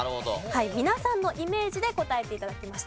皆さんのイメージで答えて頂きました。